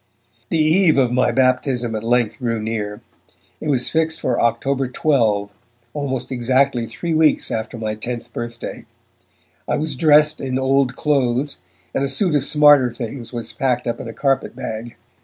The eve of my baptism at length drew near; it was fixed for October 12, almost exactly three weeks after my tenth birthday. I was dressed in old clothes, and a suit of smarter things was packed up in a carpet bag.